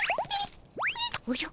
おじゃ。